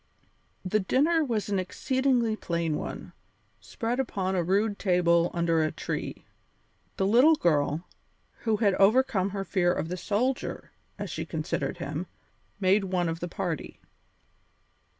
The dinner was an exceedingly plain one, spread upon a rude table under a tree. The little girl, who had overcome her fear of "the soldier" as she considered him, made one of the party.